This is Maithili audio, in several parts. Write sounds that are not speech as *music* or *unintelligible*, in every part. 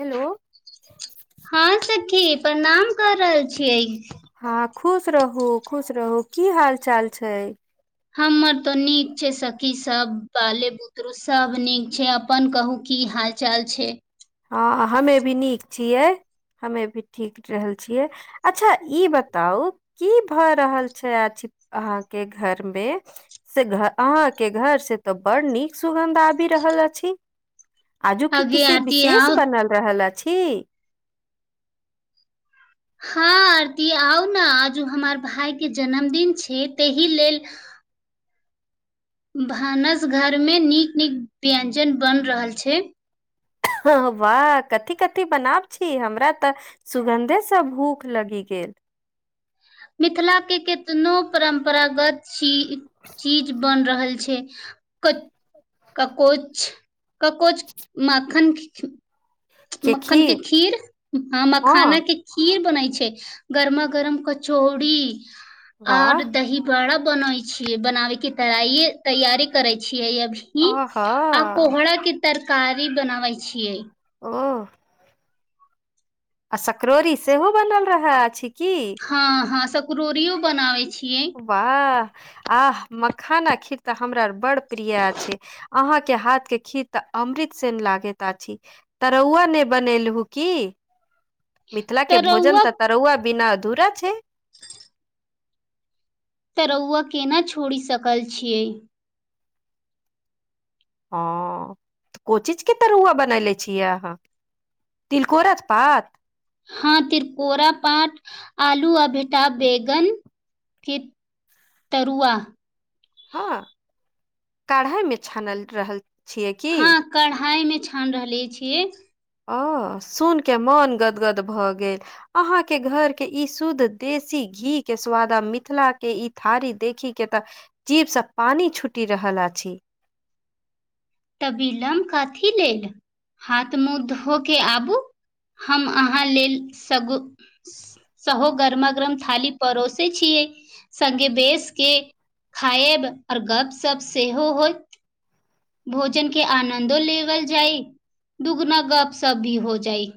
हेलो हँं सखी प्रणाम कर रहल छियै हँ खुश रहू खुश रहू की हाल चाल छै हमर त नीक छै सखी सब बाले बुतरू सब नीक छै अपन कहू की हाल चाल छै हँ हमे भी नीक छियै हमे भी ठीक टहल छियै अच्छा ई बताउ की भए रहल छै आछी अहाँके घर मे से घर अहां के घर से त बड़ नीक सुगंध आबि रहल अछि आजुकि आगे किसी आरती विशेष आउ बनल रहल अछि हँ आरती आउ न आजू हमर भाय के जन्मदिन छै ताहि लेल भानस घर मे नीक नीक व्यंजन बन रहल छै ह वाह कथी कथी बनाब छी हमरा तऽ सुगन्धेसँ भूख लगी गेल मिथिला के कतनो परम्परागत छी चीज बन रहल छै क ककोछ ककोछ माखन मक्खन के खीर ह हँ मखाना के खीर बनै छै गरमा गरम कचौड़ी वाह आर दही बड़ा बनै छियै बनाबैके त तैयारी करै छियै अभी हू आहा आ कोहरा के तरकारी बनावै छीयै ओ आ सकरौरी सेहो बनल रह अछि की हँ हँ सकौड़ियो बनाबै छियै वाह आह मखाना खीर तऽ हमरा बड़ प्रिया छै अहाँके हाथ के खीर तऽ अमृत सेन लागैत अछि तरौआ नहि बनेलहुँ की मिथिला के भोजन तरुआ तऽ तरुआ बिना अधूरा छै *unintelligible* *inaudible* तरौआ केना छोड़ि सकल छियै हऽ को चीजके तरुआ बनैले छियै अहाँ? तिलकोरक पात? हँ तिलकोरक पाट आलू आ भेटा बैगन की तरुआ। हँ कढ़ाई मे छानल रहल छियै की? कढ़ाइमे छान रहले छियै। ओ सुनके मन गदगद भऽ गेल। अहाके घर के ई शुद्ध देशी घी के स्वाद आ मिथिला के ई थारी देखी के तऽ जीबसँ पानि छुटि रहल अछि। त विलम काथी लेल हाथ मुँह धो के आबू। हम अहाँ लेल सग सहो गरमागर्म थाली परोसे छियै सङगे बेस के खायब आओर गपशप सेहो होयत। भोजनके आनंन्दो लेल जाय दुगुना गप सप भी हो जाइ।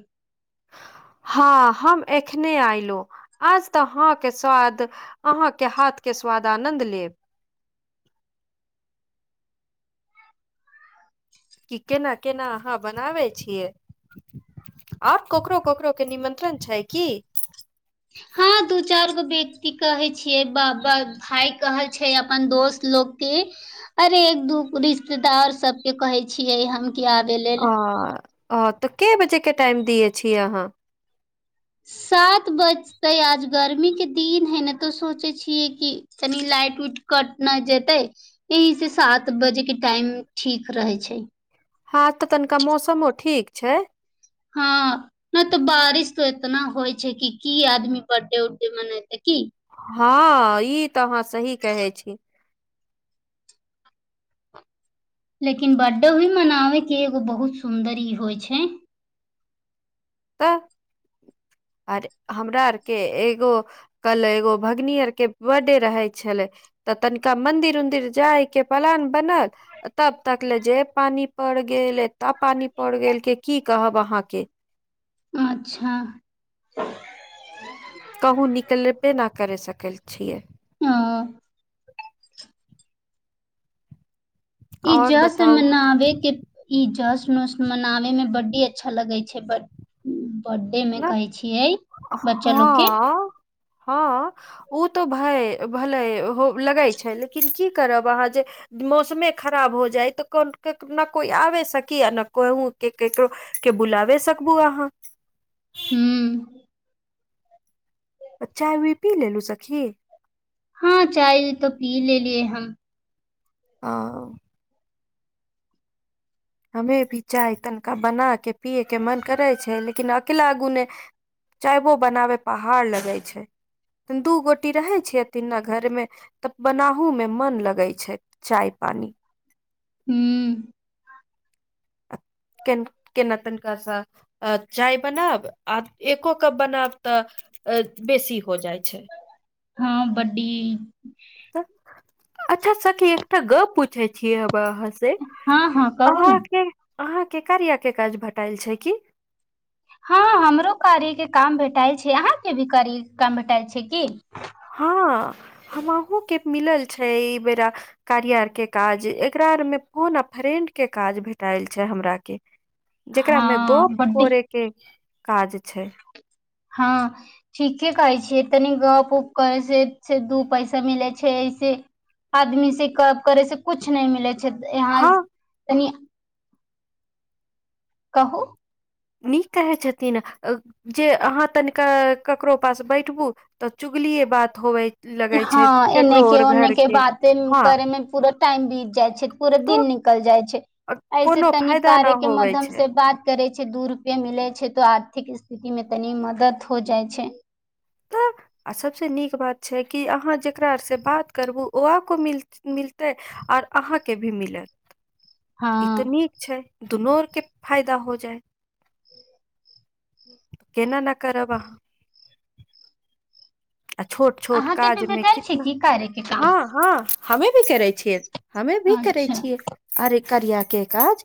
हँ हम एखने आइलो। आज तऽ अहाँके स्वाद अहाँके हाथ के स्वाद आनन्द लेब। क केना केना अहाँ बनाबै छियै। आर ककरो ककरो के निमंत्रण छैय की? हँ दू चारि गो व्यक्ति कहे छियै बाबा भाय कहल छैय अपन दोस्त लोग के। अरे एक दू रिश्तेदार सबके कहै छियै हम। की आबे लेल अ तऽ के बजे के टाइम दिये छीय अहाँ? सात बजते आज गर्मी के दिन है ने तो सोचे छियै कि तनि लाइट उइट कट नहि जेतै। यही से सात बजे के टाइम ठीक रहे छैय। हँ तऽ तनिका मौसमो ठीक छैय। हँ हँ तो बारिश तो एतना होइ छैय कि की आदमी पड्डे उड्डे मनेते की? हँ ई तऽ अहाँ सही कहै छी। लेकिन बर्थडे भी मनावे के एगो बहुत सुंदर ई होय छैय। तऽ आरे हमरा आरके एगो कल एगो भगनी आर के बर्डे रहे छले तऽ तनिका मंन्दिर उदिर जायके प्लान बनल। तब तक ले जे पानी पड़ गेल एता पानी पड़ गेल जे की कहब अहाँके। अच्छा कहूँ निकलबे नहि करि सकै छियै। ओ इ आओर जस बताउ मनाबे के ई जश्न उश्न मनावेमें बड्डे अच्छा लगै छैय बड। बर्थडे में न कहै छियै बच्चा लोग के हँ हँ ओ तऽ भय भले हो लगै छैय लेकिन की करब अहाँ जे मौसमे खराब हो जाय तऽ को नहि कोइ आबे सकी आ ने कहँ के ककरो के बुलावे सकबू आहाँ। हू चाय वीय पी लेलू सखी हँ चाय वीय त पी लेलियै हम आ हमे भी चाय तनिका बना के पियए के मन करै छै लेकिन अकला गुणे चायबो बनाबे पहाड़ लगय छै दू गोटी रहै छेयथि न त घरमे तब बनाहु मे मन लगै छै चाय पानी हूँ केन केना तनकासा अ चाय बनाब आ एको कप बनाब तऽ बेसी हो जाइ छै हँ ब्डी तऽ अच्छा सखी एकटा गप पूछै छि हम आहाँ स हाँ हाँ कहू ने अहाके अहाके कार्य के काज भटाल छै की हँ हमरो कार्य के काम भेटाल छै अहाँके भी कार्य के काम भेटाइल छै की हँ हम अहु के मिलल छै एहि बेेरा कारी आर के काज एकरा आर मे फोन आ फ्रेंड के काज भेटाल छै हमरा के जेकरा मे हाँ गप बड्डी करे के काज छै हँ ठीके कहै छियै तनी गप उप करै छै दू पैसा मिलै छै ऐसे आदमी से कब करै से कुछ नहि मिलै छै यहाँ हँ तनि कहू नीक कहै छथिन जे अहाँ तनिका ककरो पास बैठबू तऽ चुगलीेए बात होवै हँ एने के ओने के बाते हँ करे मे पूरा टाइम बीत जाइ छै पूरे तो दिन निकल जाइ छै अ, ऐसे कोनो तनी फायदा न कार्य के होवे मध्यम छै से बात करे छै दू रुपे मिले छै तो आर्थिक स्थिति मे तनी मदद हो जाइ छै तऽ आ सबसँ नीक बात छै कि अहाँ जकरारसँ बात करबू ओह को मिल मिलतै आऔर अहाँके भी मिलत ई तऽ हँ नीक छै दुनू आरके फायदा हो जाय केना न करब अहाँ आ छोट छोट अहाँके भी काज मे भेटल छै कितना की कार्य के काम हँ हँ हमे भी करै छियै हमे भी करै अच्छा छियै अरे करिया के काज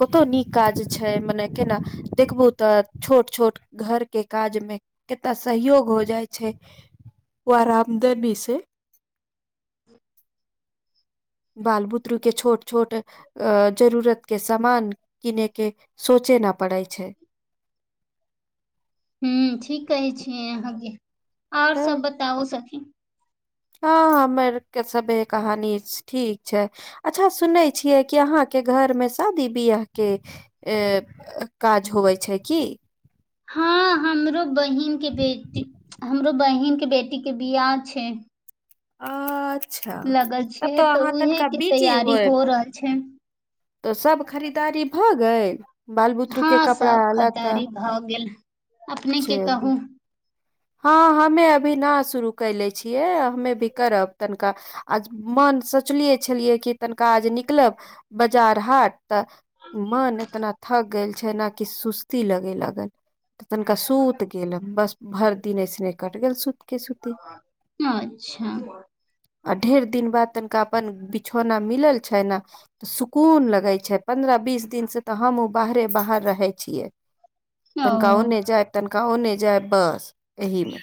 कतो नीक काज छै मने केना देखबू तऽ छोट छोट घर के काज मे कितना सहयोग हो जाय छै ओ आरामदेवी से बाल बुत्ररू के छोट छोट अ जरूरत के सामान किने के सोचे न पड़ै छै हू ठीक कहै छीय अहाँके आओर तऽ सब बतायो सखि हँ हमर के सभे कहानी ठीक छै अच्छा सुनै छियै कि अहाँके घर मे शादी बियाह के ए काज होवै छै की हँ हमरो बहिन के बेटी हमरो बहिन के बेटी के बिआ छै अच्छा लगल तब छै तऽ अहाँ उहे तनिका के बिजी तैयारी होय हो रहल छै तऽ सभ खरीदारी भऽ गेएल बालबूतरू के हँ कपड़ा सब लायके खरीदारी भऽ गेल अपने के छै कहू हँ हमे अभी न शुरू कले छियै हमे भी करब तनिका आ मन सोचलियै छलयै कि तनिका आज निकलब बाजार हाट तऽ मन एतना थक गेल छै ने कि सुस्ती लगे लगल तनिका सुत गेलो बस भरि *unintelligible* दिने सने कटि गेल सूत के सुती अच्छा ढेर दिन बाद तनिका अपन बिछौना मिलल छै ने सुकून लगै छै पन्द्रह बीस दिनसँ तऽ हमू बाहरे बाहर रहै छियै तनका ओ ओने जाइ तनका ओने जाय बस एहिले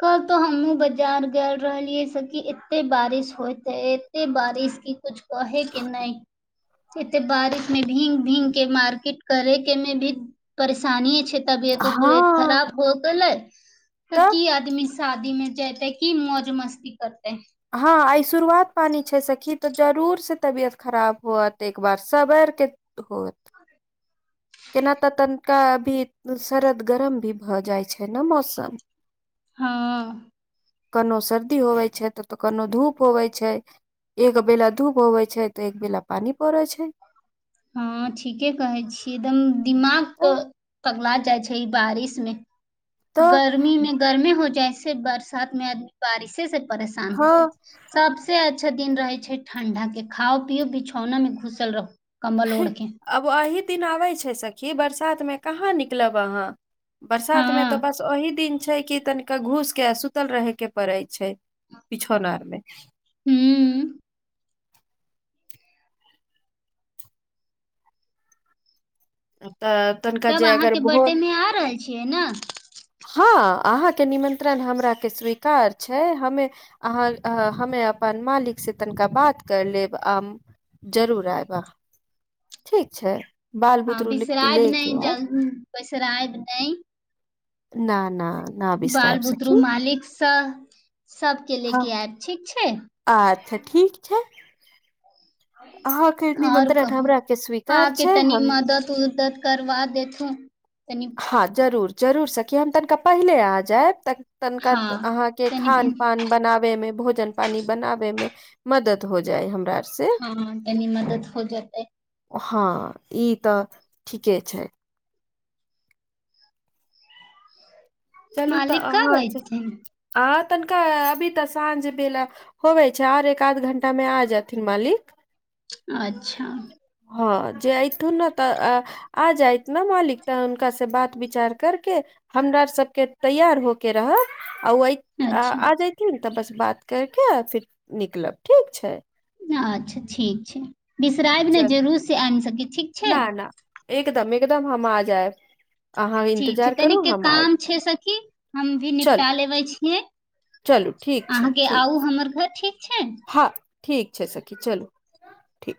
कल तो हमहुँ बाजार गेल रहलियै से की एते बारिश होत हे एते बारिश की पुछो कहे के नहि एते बारिश मे भींग भींग के मार्केट करे के ने भी परेशानीये छै तबियत हँ उबियत खराब हो गेलै तऽ तऽ की आदमी शादी मे जेते की मौज मस्ती करतै हँ आइ शुरुआत पानि छै सखी तऽ जरूरसँ तबियत खराब होअत एक बार सबरके होत ऐना तऽ तनिका अभी सरद गरम भी भऽ जाई छै ने मौसम हँ कनो सर्दी होबै छै तऽऽ कनो धूप होबै छै एक बेला धूप होबे छै तऽ एक बेला पानी पड़ै छै। हँ ठीके कहे छीयै एकदम दिमाग तऽ पगला जाइ छै बारिश मे तऽ गर्मी मे गर्मी हो जाइ छै बरसात मे आदमी बारिशे से परेशान हो हँ जाइ छै। सबसे अच्छा दिन रहे छै ठंडा के खाउ पियौ बिछौना मे घुसल रहू। कम्बल ओढ़के आब एहि दिन आबैत छै सखी बरसातमे कहाँ निकलब अहाँ बरसातमे हाँ तऽ बस ओही दिन छै की घूस के सुतल रहे के परड़े छै पिछौन आर मे हू तऽ *unintelligible* तब अगर अहाँके भोर बर्थडे मे आ रहल छियै नइ हँ अहाँके निमंत्रण हमरा के स्वीकार छै हमे अहाँ हमे अपन मालिक से तनका बात कर लेब आ जरूर आय वा आहाँ ठीक छै बात हँ बिसराब नहि विसरायब नहि न न न बाल बिसरायब बुदरू सखी मालिक सब सबके ले हँ के आयब ठीक छै अच्छा ठीक छै हाँ कीरनी और निमत्रन हमरा के स्वीकार छै हम त उल *unintelligible* तकर बाद देथो तनी हँ जरूर जरूर सखी हम तनिका पाहिले आ जायब त तनिका हाँ अहाँके तनी खान भिन पान बनाबे मे भोजन पानी बनाबे में मदद हो जाय हमारा आरसे हँ तनी मदद हो जेतै हँ ई तऽ ठीके छै चलू तऽ मालिक कब अहन ऐथिन अह तनिका अभी तऽ साँझ बेला होबै छै आओर एक आध घंटामे आ जेथिन मालिक अच्छा हँ जे एथुन नऽ तऽ अ आ जाइत ना मालिक तऽ उनका सँ बात विचार करके हमरा सब के तैयार हो के रहब आ ओय अच्छा आ जय *unintelligible* बस बात करिके फिर निकलब ठीक छै अच्छा ठीक छै बिसरायब नइ चल जरूर से आइब सखी ठीक छै न न एकदम एकदम हम आ जाएब ठीक छै तनिके काम छै सखी हम भी निपटा चलू लेबे छियै चलू ठीक छै अहाँके ठीक आउ हमर घर ठीक छै हँ ठीक छै सखी चलू ठीक